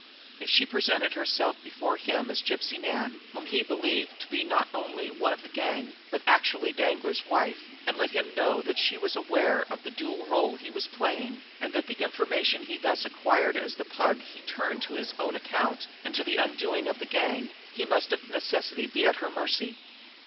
If she presented herself before him as Gypsy Nan, whom he believed to be not only one of the gang, but actually Danglar's wife, and let him know that she was aware of the dual role he was playing, and that the information he thus acquired as the Pug he turned to his own account and to the undoing of the gang, he must of necessity be at her mercy.